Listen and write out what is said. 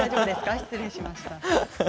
失礼しました。